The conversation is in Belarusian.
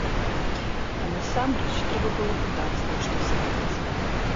А насамрэч, трэба было пытацца, на што ставіць.